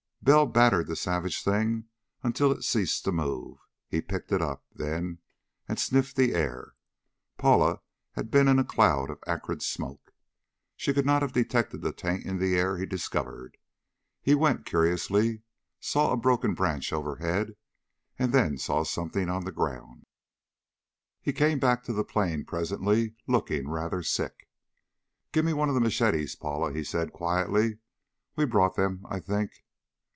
Bell battered the savage thing until it ceased to move. He picked it up, then, and sniffed the air. Paula had been in a cloud of acrid smoke. She could not have detected the taint in the air he discovered. He went curiously, saw a broken branch overhead, and then saw something on the ground. He came back to the plane presently, looking rather sick. "Give me one of the machetes, Paula," he said quietly. "We brought them, I think."